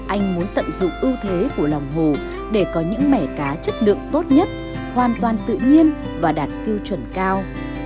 anh muốn tận dụng ưu thế của lòng hồ để có những mẻ cá chất lượng tốt nhất hoàn toàn tự nhiên và đạt tiêu chuẩn cao